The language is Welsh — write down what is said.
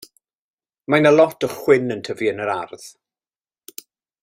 Mae 'na lot o chwyn y tyfu yn yr ardd.